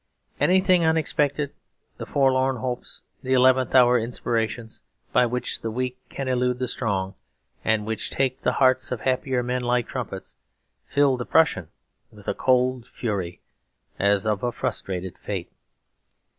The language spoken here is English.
Anything unexpected the forlorn hopes, the eleventh hour inspirations, by which the weak can elude the strong, and which take the hearts of happier men like trumpets filled the Prussian with a cold fury, as of a frustrated fate.